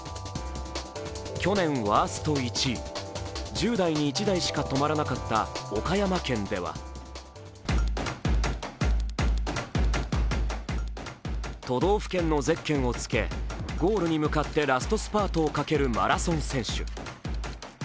去年ワースト１位、１０台に１台しか止まらなかった岡山県では都道府県のゼッケンをつけゴールに向かってラストスパートをかけるマラソン選手。